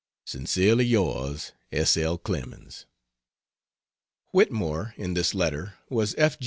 Sincerely Yours S. L. CLEMENS. "Whitmore," in this letter, was F.